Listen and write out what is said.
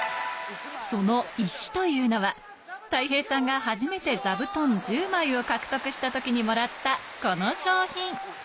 その石というのはたい平さんが初めて座布団１０枚を獲得した時にもらったこの賞品